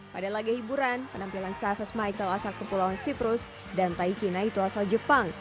pada laga hiburan penampilan savis michael asal kepulauan siprus dan taikina itu asal jepang